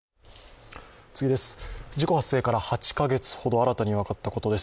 事故発生から８か月ほど、新たに分かったことです。